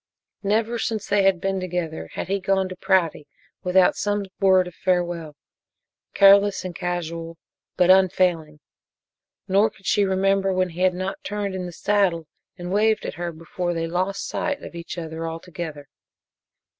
Never since they had been together had he gone to Prouty without some word of farewell careless and casual, but unfailing. Nor could she remember when he had not turned in the saddle and waved at her before they lost sight of each other altogether.